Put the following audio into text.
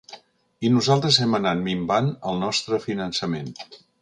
I nosaltres hem anat minvant els nostre finançament.